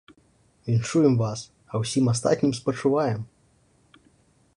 Віншуем вас, а ўсім астатнім спачуваем.